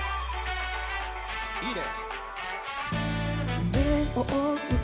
いいね